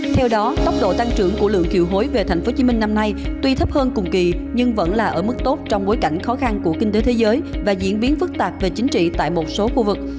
theo đó tốc độ tăng trưởng của lượng kiều hối về tp hcm năm nay tuy thấp hơn cùng kỳ nhưng vẫn là ở mức tốt trong bối cảnh khó khăn của kinh tế thế giới và diễn biến phức tạp về chính trị tại một số khu vực